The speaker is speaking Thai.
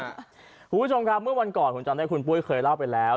คุณผู้ชมครับเมื่อวันก่อนผมจำได้คุณปุ้ยเคยเล่าไปแล้ว